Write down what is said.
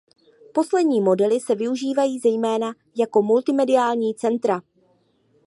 Poslední modely se využívají zejména jako multimediální centra.